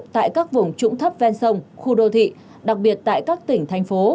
tại các vùng trũng thấp ven sông khu đô thị đặc biệt tại các tỉnh thành phố